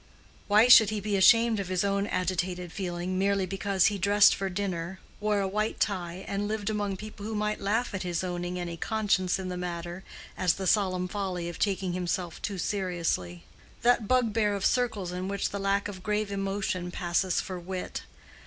Why should he be ashamed of his own agitated feeling merely because he dressed for dinner, wore a white tie, and lived among people who might laugh at his owning any conscience in the matter, as the solemn folly of taking himself too seriously?—that bugbear of circles in which the lack of grave emotion passes for wit.